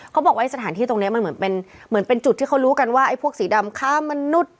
เขาบอกว่าสถานที่ตรงนี้มันเหมือนเป็นเหมือนเป็นจุดที่เขารู้กันว่าไอ้พวกสีดำฆ่ามนุษย์